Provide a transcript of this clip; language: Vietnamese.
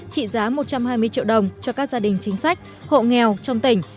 trị giá một trăm hai mươi triệu đồng cho các gia đình chính sách hộ nghèo trong tỉnh